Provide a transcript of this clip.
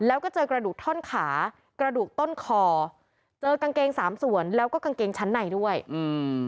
แล้วก็เจอกระดูกท่อนขากระดูกต้นคอเจอกางเกงสามส่วนแล้วก็กางเกงชั้นในด้วยอืม